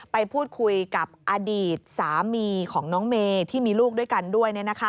ไปพูดคุยกับอดีตสามีของน้องเมย์ที่มีลูกด้วยกันด้วย